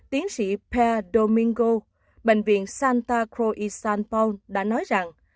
tiến sĩ per domingo bệnh viện santa cruz san paolo đã nói rằng